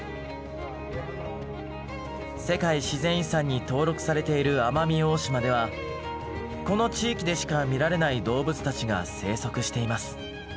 世界自然遺産に登録されている奄美大島ではこの地域でしか見られない動物たちが生息しています。